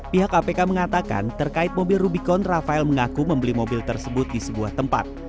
pihak kpk mengatakan terkait mobil rubicon rafael mengaku membeli mobil tersebut di sebuah tempat